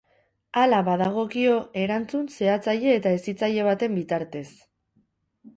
Hala badagokio, erantzun zehatzaile eta hezitzaile baten bitartez.